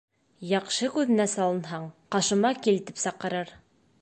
Яҡшы күҙенә салынһаң, «ҡашыма кил» тип саҡырыр